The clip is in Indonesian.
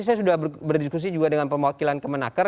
saya sudah berdiskusi juga dengan perwakilan kemenaker